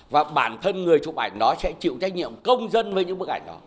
và bản thân người chụp ảnh nó sẽ chịu trách nhiệm công dân với những bức ảnh đó